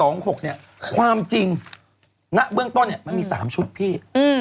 ๕๓๓๗๒๖เนี่ยความจริงณเบื้องต้นมันมี๓ชุดพี่